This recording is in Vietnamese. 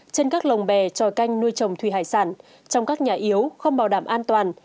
trên các lồng bè tròi canh nuôi trồng thủy hải sản trong các nhà yếu không bảo đảm an toàn